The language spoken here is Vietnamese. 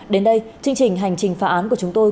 đến đây chương trình hành trình phá án của chúng tôi